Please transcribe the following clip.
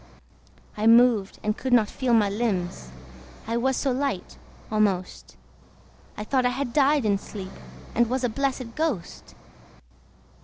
I moved, and could not feel my limbs: I was so light almost I thought that I had died in sleep, And was a blessed ghost.